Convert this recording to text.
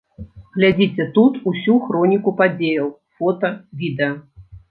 Глядзіце тут усю хроніку падзеяў, фота, відэа.